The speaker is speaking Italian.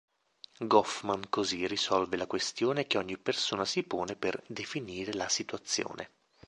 Goffman così risolve la questione che ogni persona si pone per "definire la situazione".